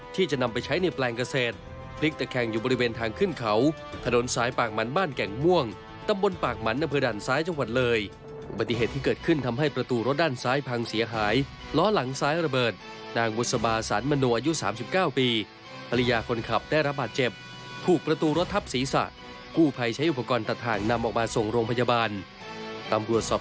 ติดตามพร้อมกับอีกหลายเหตุการณ์ที่เกิดขึ้นครับ